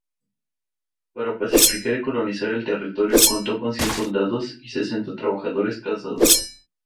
Para pacificar y colonizar el territorio contó con cien soldados y sesenta trabajadores casados.